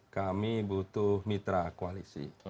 kami butuh mitra koalisi